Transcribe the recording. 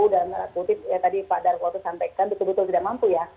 dan tadi pak darwoto sampaikan betul betul tidak mampu ya